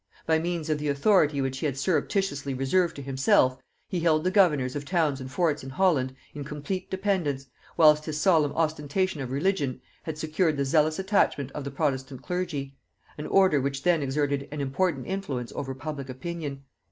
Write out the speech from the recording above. By means of the authority which he had surreptitiously reserved to himself, he held the governors of towns and forts in Holland in complete dependence, whilst his solemn ostentation of religion had secured the zealous attachment of the protestant clergy; an order which then exerted an important influence over public opinion.